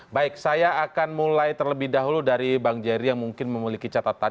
baik saya akan mulai terlebih dahulu dari bang jerry yang mungkin memiliki catatan